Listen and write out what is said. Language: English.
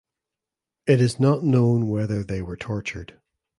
It is not known whether they were tortured.